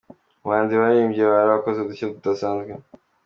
Mu bahanzi baririmbye hari abakoze udushya tudasanzwe.